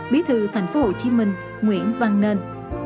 bí thư thành phố hồ chí minh nguyễn văn nên